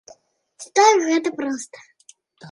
Ці так гэта проста?